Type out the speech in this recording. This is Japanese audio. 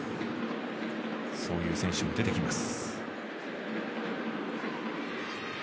そういう選手も出てきます。